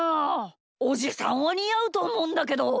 おじさんはにあうとおもうんだけど。